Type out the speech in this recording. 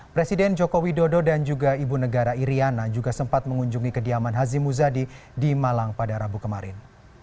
presiden joko widodo dan juga ibu negara iryana juga sempat mengunjungi kediaman haji muzadi di malang pada rabu kemarin